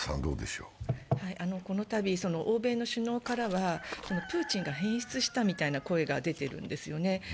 このたび、欧米の首脳からはプーチンが変質したみたいな声が出ているんですね。